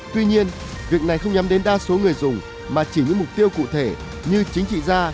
tuy nhiên việc này không nhắm đến đa số người dùng mà chỉ những mục tiêu cụ thể như chính trị gia